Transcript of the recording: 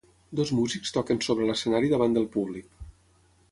Dos músics toquen sobre l'escenari davant del públic.